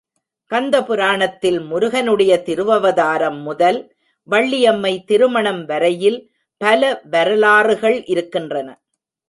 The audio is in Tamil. கந்த புராணத்தில் முருகனுடைய திருவவதாரம் முதல், வள்ளியம்மை திருமணம் வரையில் பல வரலாறுகள் இருக்கின்றன.